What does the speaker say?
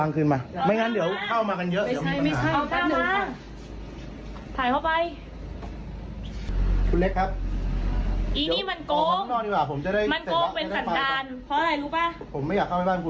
ไปที่แฟนมา